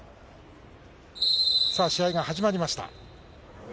さあ、試合が始まりました。